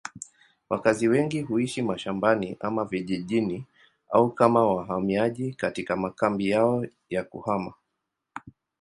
Wakazi wengi huishi mashambani ama vijijini au kama wahamiaji katika makambi yao ya kuhama.